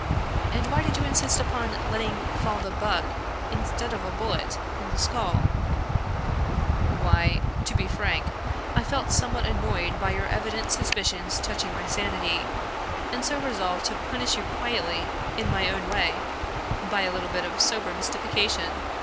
And why did you insist upon letting fall the bug, instead of a bullet, from the skull ?"" Why, to be frank, I felt somewhat annoyed by your evident suspicions touching my sanity, and so resolved to punish you quietly, in my own way, by a little bit of sober mystification.